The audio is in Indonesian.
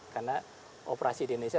karena operasi di indonesia